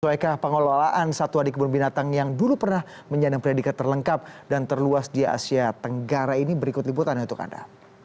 suaika pengelolaan satu adik kebun binatang yang dulu pernah menjadikan predikat terlengkap dan terluas di asia tenggara ini berikut liputan untuk anda